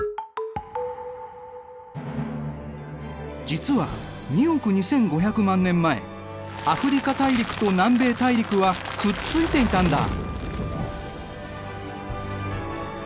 実は２億２５００万年前アフリカ大陸と南米大陸はくっついていたんだ。